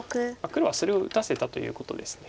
黒はそれを打たせたということです。